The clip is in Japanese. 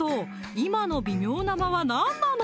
今の微妙な間は何なの？